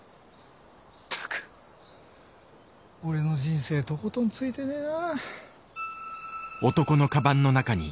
ったく俺の人生とことんついてねえな。